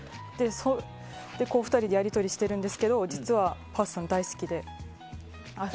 それで、２人でやり取りしているんですけど実はパースさんは大好きで。